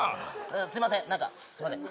すいません何かすいません